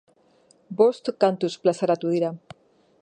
Bost kantuz plazaratu dira.